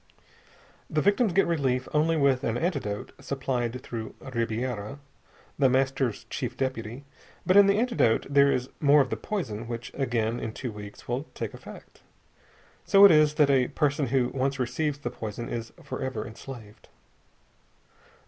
The victims get relief only with an antidote supplied through Ribiera, The Master's Chief Deputy; but in the antidote there is more of the poison which again in two weeks will take effect. And so it is that a person who once receives the poison is forever enslaved.